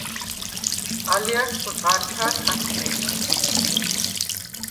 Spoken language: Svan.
ალჲა̈რს ღართა̈რ ხაქვმე̄ნახ.